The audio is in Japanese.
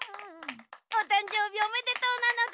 おたんじょうびおめでとうなのだ。